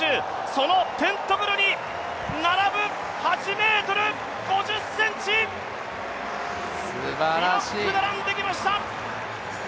そのテントグルに並ぶ８ｍ５０ｃｍ、ピノック並んできました。